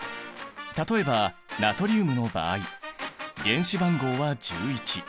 例えばナトリウムの場合原子番号は１１。